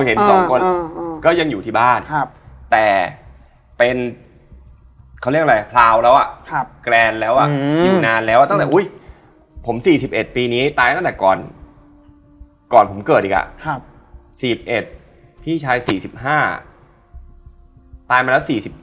เหนื่อยมากเพราะต้องถ่ายกลางฝน